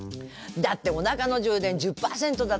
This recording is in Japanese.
だっておなかの充電１０％だったんだもん。